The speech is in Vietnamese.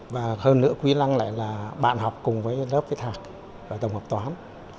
và hơn nữa quý lăng lại là bạn học cùng lớp viết hạc và đồng học toán